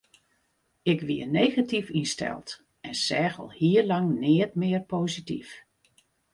Ik wie negatyf ynsteld en seach al hiel lang neat mear posityf.